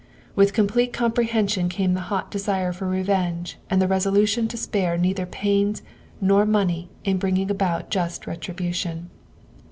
With complete comprehension came the hot de sire for revenge and the resolution to spare neither pains nor money in bringing about just retribution.